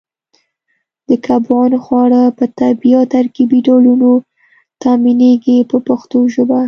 د کبانو خواړه په طبیعي او ترکیبي ډولونو تامینېږي په پښتو ژبه.